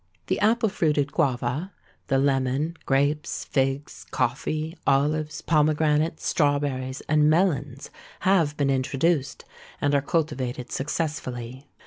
The apple fruited guava, the lemon, grapes, figs, coffee, olives, pomegranates, strawberries, and melons have been introduced, and are cultivated successfully.